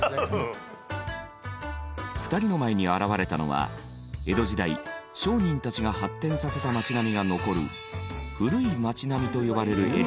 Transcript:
２人の前に現れたのは江戸時代商人たちが発展させた町並みが残る「古い町並」と呼ばれるエリア。